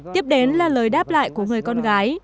tiếp đến là lời đáp lại của người con gái